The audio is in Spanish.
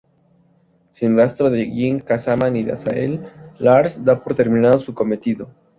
Sin rastro de Jin Kazama ni de Azazel, Lars da por terminado su cometido.